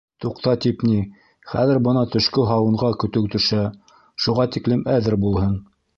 - Туҡта тип ни, хәҙер бына төшкө һауынға көтөү төшә, шуға тиклем әҙер булһын.